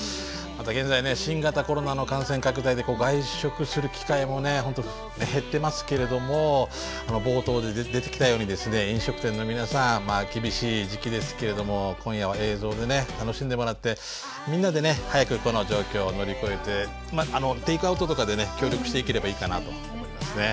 また現在新型コロナの感染拡大で外食する機会も本当減ってますけれども冒頭で出てきたように飲食店の皆さん厳しい時期ですけれども今夜は映像でね楽しんでもらってみんなで早くこの状況を乗り越えてテイクアウトとかでね協力していければいいかなと思いますね。